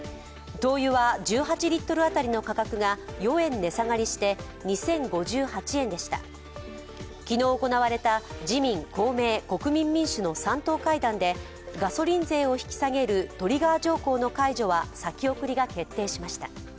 灯油は１８リットル当たりの価格が４円値下がりして、２０５８円でした、昨日行われた自民、公明、国民民主の３党会談でガソリン税を引き下げるトリガー条項の解除は先送りが決定しました。